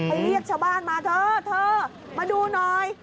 ไอ้เรียกชาวบ้านมาเธอมาดูหน่อย